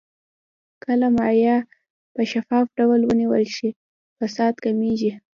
که مالیه په شفاف ډول ونیول شي، فساد کمېږي.